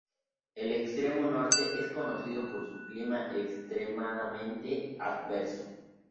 El Extremo Norte es conocido por su clima extremadamente adverso.